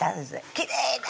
きれいだ！